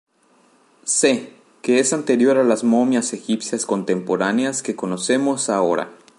C, que es anterior a las momias egipcias contemporáneas que conocemos ahora.